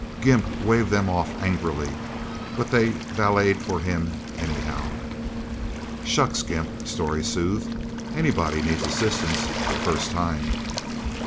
Gimp waved them off angrily, but they valeted for him, anyhow. "Shucks, Gimp," Storey soothed. "Anybody needs assistance the first time..."